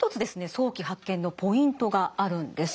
早期発見のポイントがあるんです。